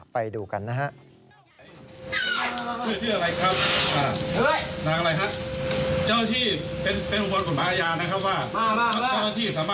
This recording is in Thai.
ไปดูกันนะครับ